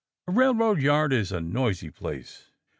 A railroad yard is a noisy place.